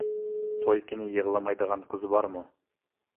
توي كۈنى يىغلىمايدىغان قىز بارمۇ؟